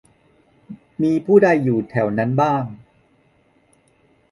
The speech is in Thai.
มีผู้ใดอยู่แถวนั้นบ้าง